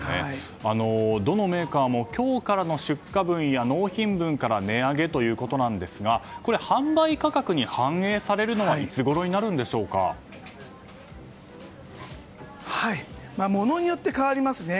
どのメーカーも今日からの出荷分や納品分から値上げということなんですがこれは販売価格に反映されるのは物によって変わりますね。